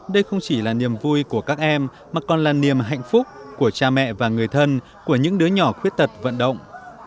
đây không chỉ là niềm vui của các em mà còn là niềm hạnh phúc của cha mẹ và người thân của những đứa nhỏ khuyết tật vận động